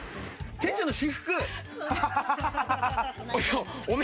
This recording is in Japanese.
店長の私服？